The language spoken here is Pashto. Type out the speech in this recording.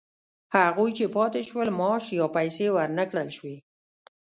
هغوی چې پاتې شول معاش یا پیسې ورنه کړل شوې